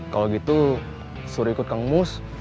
kalo gitu suruh ikut kangmus